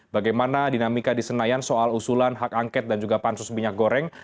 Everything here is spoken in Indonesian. bagaimana dinamika di senayan soal usulan hak angket dan juga pansus minyak goreng